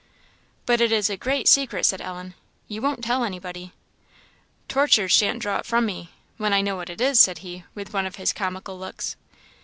"But it is a great secret," said Ellen; "you won't tell anybody?" "Tortures shan't draw it from me when I know what it is," said he, with one of his comical looks.